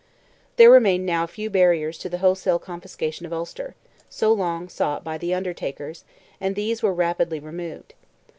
There remained now few barriers to the wholesale confiscation of Ulster, so long sought by "the Undertakers," and these were rapidly removed.